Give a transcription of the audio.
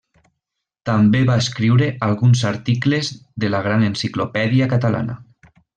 També va escriure alguns articles a la Gran Enciclopèdia Catalana.